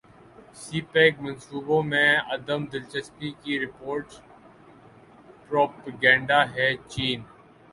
سی pack منصوبوں میں عدم دلچسپی کی رپورٹس پروپیگنڈا ہیں چین